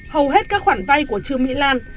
hầu hết các khoản vay của trương mỹ lan